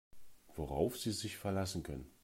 Worauf Sie sich verlassen können.